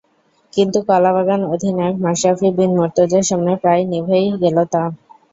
কিন্তু কলাবাগান অধিনায়ক মাশরাফি বিন মুর্তজার সামনে প্রায় নিভেই গেল তা।